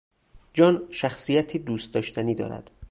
جان شخصیتی دوست داشتنی دارد.